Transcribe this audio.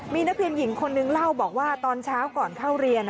มีนักเรียนหญิงคนนึงเล่าบอกว่าตอนเช้าก่อนเข้าเรียน